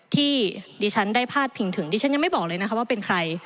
ที่ดิฉันได้พาดพิงถึงดิฉันยังไม่บอกเลยนะคะว่าเป็นใคร